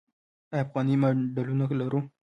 آیا افغاني ماډلونه لرو؟